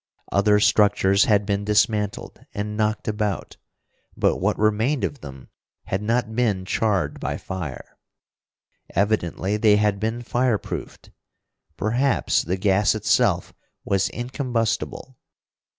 Other structures had been dismantled and knocked about, but what remained of them had not been charred by fire. Evidently they had been fireproofed. Perhaps the gas itself was incombustible.